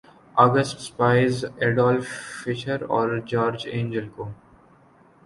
آ gist Spies ‘Adolph Fischer اور George Engel کو